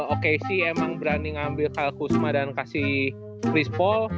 oke sih emang berani ngambil kyle kusma dan kasih chris paul